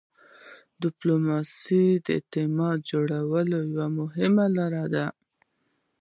ډيپلوماسي د اعتماد جوړولو یوه مهمه لار ده.